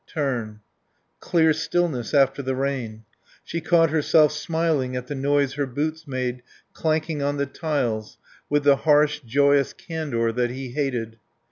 Turn. Clear stillness after the rain. She caught herself smiling at the noise her boots made clanking on the tiles with the harsh, joyous candour that he hated.